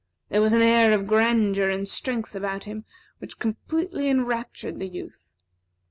There was an air of grandeur and strength about him which completely enraptured the youth.